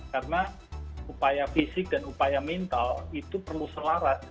karena upaya fisik dan upaya mental itu perlu selaras